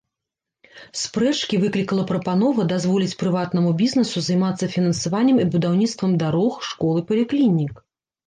Спрэчкі выклікала прапанова дазволіць прыватнаму бізнесу займацца фінансаваннем і будаўніцтвам дарог, школ і паліклінік.